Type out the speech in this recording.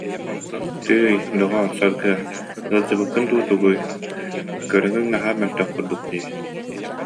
Тыый, доҕоор, Саргы-ыа, ыалдьыбыккын дуу, тугуй, көрүҥүн наһаа мөлтөх курдук дии